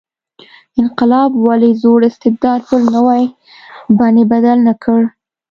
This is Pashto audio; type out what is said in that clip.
انقلاب ولې زوړ استبداد پر نوې بڼې بدل نه کړ.